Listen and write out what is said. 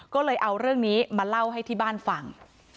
ก็เลยเอาเรื่องนี้มาเล่าให้ที่บ้านฟัง